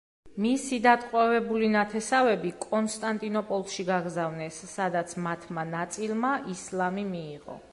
მისი დატყვევებული ნათესავები კონსტანტინოპოლში გაგზავნეს, სადაც მათმა ნაწილმა ისლამი მიიღო.